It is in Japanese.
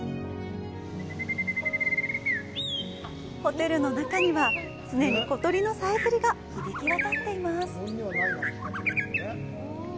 ホテルの中には、常に小鳥のさえずりが響き渡っています。